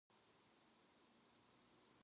그러니 그런 세금들을 꼭꼭 잘 바쳐야 하오.